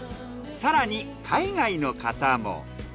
更に海外の方も。